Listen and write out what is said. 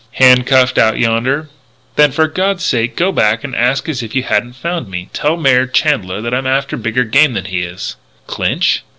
"Handcuffed out yonder." "Then for God's sake go back and act as if you hadn't found me. Tell Mayor Chandler that I'm after bigger game than he is." "Clinch?"